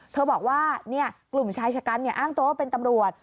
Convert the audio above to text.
บอกว่ากลุ่มชายชะกันอ้างตัวว่าเป็นตำรวจ